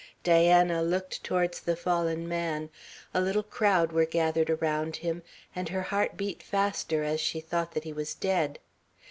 Diana looked towards the fallen man; a little crowd were gathered around him, and her heart beat faster as she thought that he was dead.